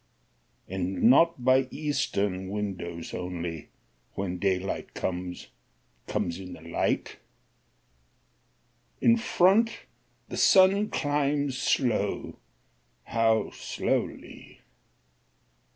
And not by eastern windows only, When daylight comes, comes in the light; In front the sun climbs slow, how slowly!